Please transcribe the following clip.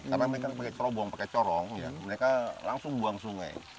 kadang mereka pakai corong mereka langsung buang sungai